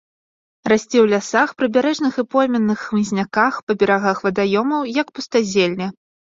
Расце ў лясах, прыбярэжных і пойменных хмызняках, па берагах вадаёмаў, як пустазелле.